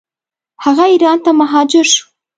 هغه ایران ته مهاجر شو.